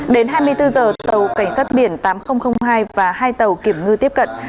đến hai mươi bốn giờ tàu cảnh sát biển tám nghìn hai và hai tàu kiểm ngư tiếp cận